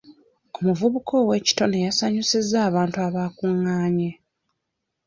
Omuvubuka ow'ekitone yasanyusizza abantu abaakungaanye.